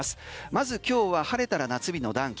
まず今日は晴れたら夏日の暖気。